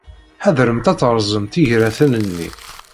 Ḥadremt ad terrẓemt igraten-nni.